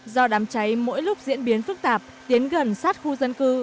do đám cháy mỗi lúc diễn biến phức tạp tiến gần sát khu dân cư